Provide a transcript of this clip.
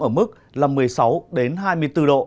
ở mức là một mươi sáu hai mươi bốn độ